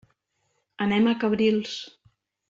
Anem a Cabrils.